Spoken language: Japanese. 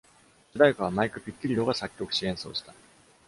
主題歌はマイク・ピッキリロが作曲し、演奏した。